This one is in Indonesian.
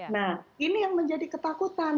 nah ini yang menjadi ketakutan